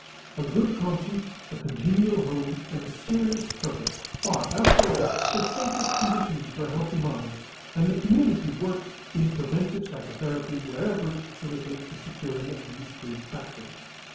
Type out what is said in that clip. A good conscience, a congenial home, and a serious purpose are after all the safest conditions for a healthy mind, and the community works in preventive psychotherapy wherever it facilitates the securing of these three factors.